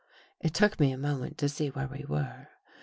It took me a minute to see where we were.